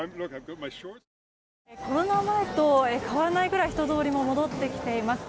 コロナ前と変わらないくらい人通りも戻ってきています。